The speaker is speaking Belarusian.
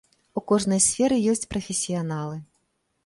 У кожнай сферы ёсць прафесіяналы.